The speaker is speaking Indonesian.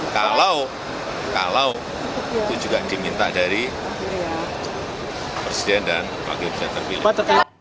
kalau itu juga diminta dari presiden dan wakil presiden terpilih